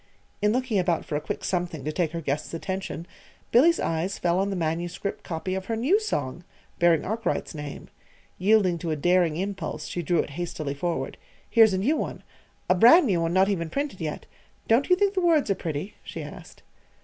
in looking about for a quick something to take her guest's attention, Billy's eyes fell on the manuscript copy of her new song, bearing Arkwright's name. Yielding to a daring impulse, she drew it hastily forward. "Here's a new one a brand new one, not even printed yet. Don't you think the words are pretty?" she asked.